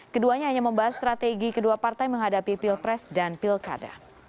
keduanya hanya membahas strategi kedua partai menghadapi pilpres dan pilkada